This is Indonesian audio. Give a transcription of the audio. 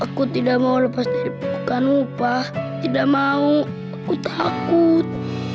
aku tidak mau lepas dari bukan upah tidak mau aku takut